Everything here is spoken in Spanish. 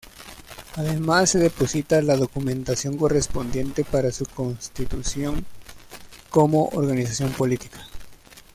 Además se deposita la documentación correspondiente para su constitución como organización política.